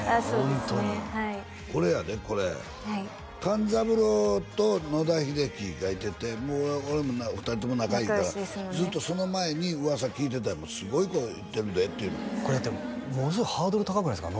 ホントにこれやでこれ勘三郎と野田秀樹がいててもう俺も２人とも仲いいからずっとその前に噂聞いてたんやもんすごい子いてるでっていうのこれだってものすごくハードル高くないですか？